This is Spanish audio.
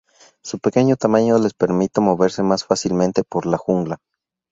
Su pequeño tamaño les permite moverse más fácilmente por la jungla.